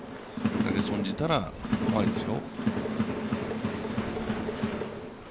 投げ損じたら怖いですよ。